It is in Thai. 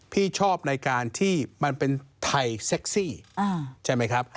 พี่ชอบในการที่มันเป็นไทยเซ็กซี่ใช่ไหมครับ